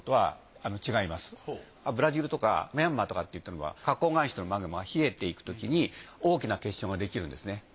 ブラジルとかミャンマーとかっていったのは花崗岩質のマグマが冷えていくときに大きな結晶ができるんですね。